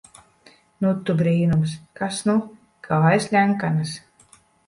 Nu, tu brīnums! Kas nu! Kājas ļenkanas...